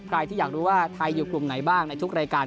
ใครที่อยากรู้ว่าไทยอยู่กลุ่มไหนบ้างในทุกรายการ